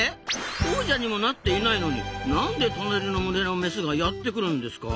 王者にもなっていないのになんで隣の群れのメスがやって来るんですか？